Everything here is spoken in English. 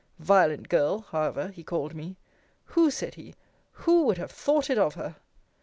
Violent girl, however, he called me Who, said he, who would have thought it of her?